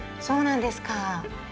そうなんですか。